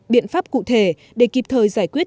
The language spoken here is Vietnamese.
biện pháp cụ thể để kịp thời giải quyết